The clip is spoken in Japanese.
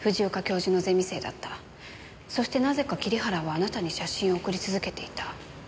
そしてなぜか桐原はあなたに写真を送り続けていた。